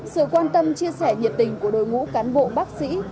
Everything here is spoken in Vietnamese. sự quan tâm chia sẻ nhiệt tình của đội ngũ cán bộ bác sĩ